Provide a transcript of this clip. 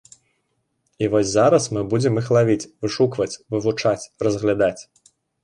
І вось зараз мы будзем іх лавіць, вышукваць, вывучаць, разглядаць.